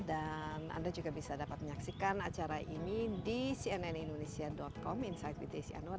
dan anda juga bisa dapat menyaksikan acara ini di cnnindonesia com insight with desy anwar